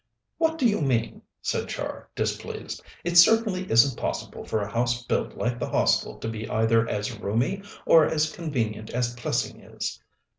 "What do you mean?" said Char, displeased. "It certainly isn't possible for a house built like the Hostel to be either as roomy or as convenient as Plessing is.